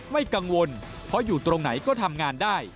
ไม่กังวลเพราะอยู่ตรงไหนก็ทำงานได้